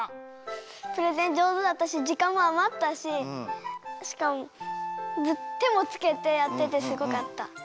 プレゼンじょうずだったしじかんもあまったししかもてもつけてやっててすごかった。